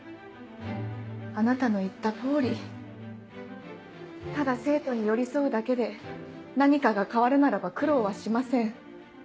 あなたの言った通りただ生徒に寄り添うだけで何かが変わるならば苦労はしません。